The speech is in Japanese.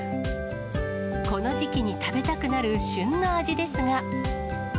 この時期に食べたくなる旬の味ですが。